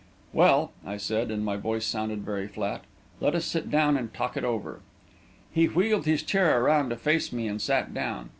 "Well," I said, and my voice sounded very flat, "let us sit down and talk it over." He wheeled his chair around to face me and sat down.